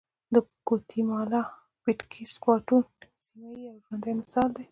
د ګواتیمالا پټېکس باټون سیمه یې یو ژوندی مثال دی